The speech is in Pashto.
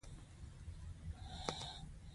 ښه مدیریت د شرکت بڼې بدلوي.